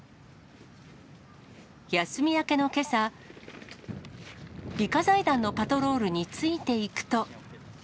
休み明けのけさ、美化財団のパトロールについていくと。